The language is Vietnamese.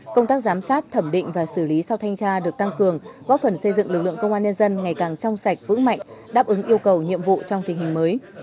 công tác giám sát thẩm định và xử lý sau thanh tra được tăng cường góp phần xây dựng lực lượng công an nhân dân ngày càng trong sạch vững mạnh đáp ứng yêu cầu nhiệm vụ trong tình hình mới